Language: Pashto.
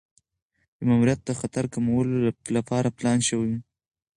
یو ماموریت د خطر کمولو لپاره پلان شوی.